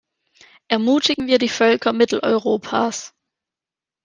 Ermutigen wir die Völker Mitteleuropas!